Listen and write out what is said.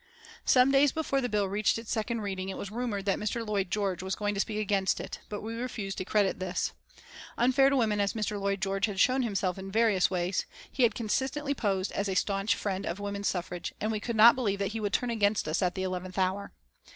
Some days before the bill reached its second reading it was rumoured that Mr. Lloyd George was going to speak against it, but we refused to credit this. Unfair to women as Mr. Lloyd George had shown himself in various ways, he had consistently posed as a staunch friend of women's suffrage, and we could not believe that he would turn against us at the eleventh hour.